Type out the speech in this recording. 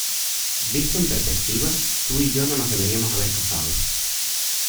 Visto en perspectiva, tú y yo no nos deberíamos haber casado.